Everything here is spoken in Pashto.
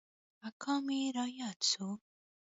اکا مې راياد سو.